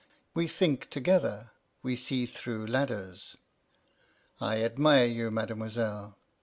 'We think together, we see through ladders. I admire you, mademoiselle.